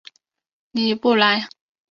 尼布莱。